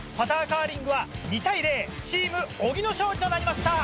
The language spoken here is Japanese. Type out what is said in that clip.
カーリングは２対０チーム小木の勝利となりました！